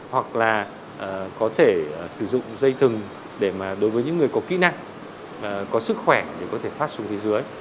hoặc là có thể sử dụng dây thừng để mà đối với những người có kỹ năng có sức khỏe thì có thể thoát xuống phía dưới